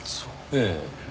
ええ。